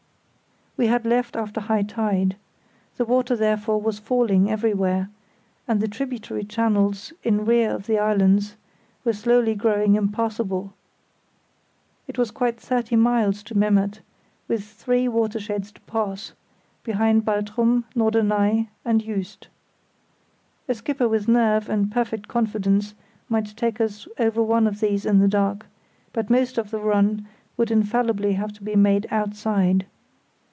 We had left after high tide. The water therefore was falling everywhere; and the tributary channels in rear of the islands were slowly growing impassable. It was quite thirty miles to Memmert, with three watersheds to pass; behind Baltrum, Norderney, and Juist. A skipper with nerve and perfect confidence might take us over one of these in the dark, but most of the run would infallibly have to be made outside.